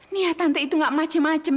nih ya tante itu nggak macem macem